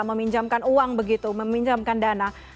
meminjamkan uang begitu meminjamkan dana